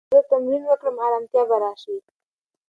که زه تمرین وکړم، ارامتیا به راشي.